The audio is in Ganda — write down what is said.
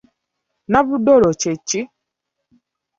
Nabudoolo kye ki?